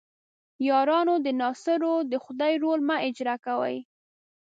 یارانو د ناصرو د خدۍ رول مه اجراء کوئ.